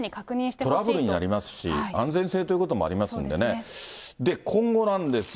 トラブルになりますし、安全性ということもありますんでね。